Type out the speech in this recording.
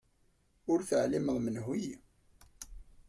Ur teɛlimeḍ menhu-yi.